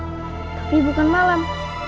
tapi bukan malam